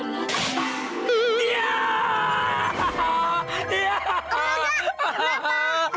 om olga kenapa